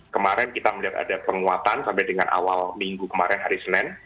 kemarin kita melihat ada penguatan sampai dengan awal minggu kemarin hari senin